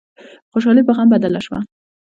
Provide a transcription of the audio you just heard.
خوشحالي په غم بدله شوه.